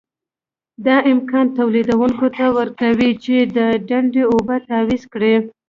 دا امکان تولیدوونکي ته ورکوي چې د ډنډ اوبه تعویض کړي.